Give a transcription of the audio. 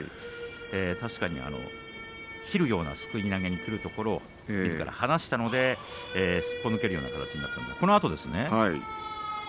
確かに切るようなすくい投げにくるところみずから離したのですっぽ抜けるような形になった。